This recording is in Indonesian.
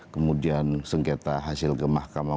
kemudian sengketa hasil ke mahkamah